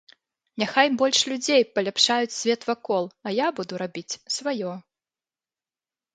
Няхай больш людзей паляпшаюць свет вакол, а я буду рабіць сваё.